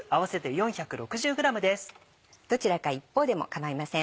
どちらか一方でも構いません。